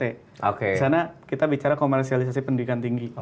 disana kita bicara komersialisasi pendidikan tinggi